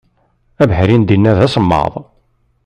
Abeḥri n dinna d asemmaḍ.